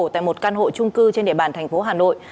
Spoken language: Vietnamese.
tại một căn hộ trung cư trên địa bàn thành phố hà nội